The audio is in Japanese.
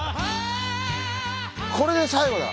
これで最後だ！